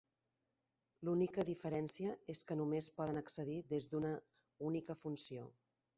L'única diferència és que només poden accedir des d'una única funció.